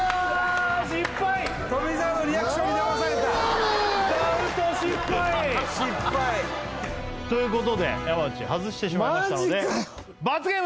失敗富澤のリアクションにだまされたダウト失敗ということで山内外してしまいましたのでマジかよ